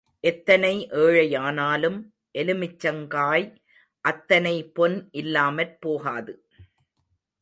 எத்தனை ஏழையானாலும் எலுமிச்சங்காய் அத்தனை பொன் இல்லாமற் போகாது.